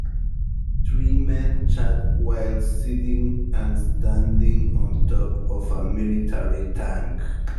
Three men chat while sitting and standing on top of a military tank